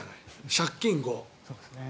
借金５。